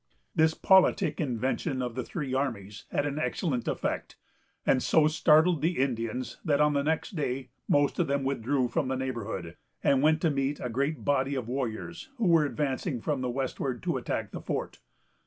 This politic invention of the three armies had an excellent effect, and so startled the Indians, that, on the next day, most of them withdrew from the neighborhood, and went to meet a great body of warriors, who were advancing from the westward to attack the fort.